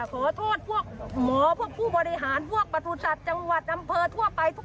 ขอโทษพวกหมอพวกผู้บริหารพวกประทุศัตว์จังหวัดอำเภอทั่วไป